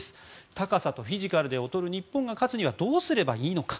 高さとフィジカルで劣る日本が勝つにはどうすればいいのか。